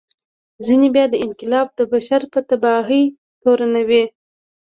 ځینې بیا دا انقلاب د بشر په تباهي تورنوي.